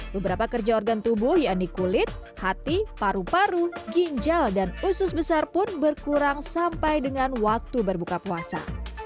beberapa kerja organ tubuh yaitu kulit hati paru paru ginjal dan usus besar pun berkurang sampai dengan waktu berbuka puasa